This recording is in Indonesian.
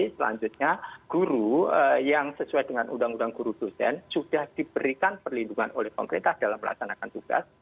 selanjutnya guru yang sesuai dengan undang undang guru dosen sudah diberikan perlindungan oleh pemerintah dalam melaksanakan tugas